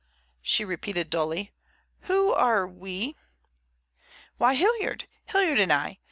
she repeated dully. "Who are we?" "Why, Hilliard; Hilliard and I.